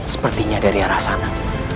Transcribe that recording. sepertinya dari arah sana